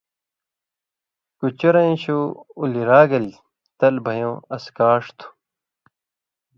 کُچُرَیں شُو اولیۡ را گیل تل بھیؤں اڅھکاݜ تھُو۔